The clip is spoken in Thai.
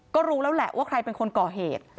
ก็รู้แล้วแหละว่าใครเป็นคนก่อเหตุ